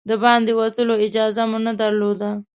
د باندې وتلو اجازه مو نه درلوده.